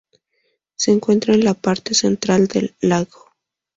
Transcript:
Se encuentra en la parte central del lago.